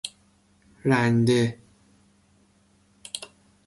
رنده